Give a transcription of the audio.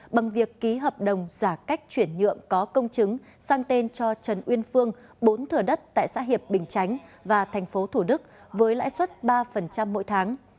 bằng việc ký hợp đồng giả cách chuyển nhượng có công chứng sang tên cho trần uyên phương bốn thừa đất tại xã hiệp bình chánh và thành phố thủ đức với lãi suất ba mỗi tháng